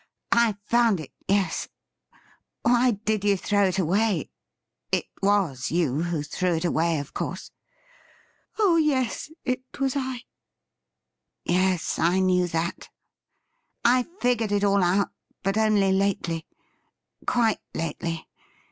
' I found it, yes ; why did you thi ow it away ? It was you who threw it away, of course ?'' Oh yes, it was I.' ' Yes, I knew that ; I figured it all out, but only lately — quite lately.